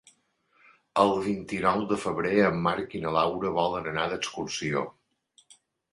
El vint-i-nou de febrer en Marc i na Laura volen anar d'excursió.